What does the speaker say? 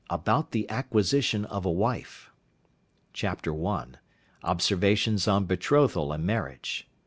ABOUT THE ACQUISITION OF A WIFE. Chapter I. Observations on Betrothal and Marriage.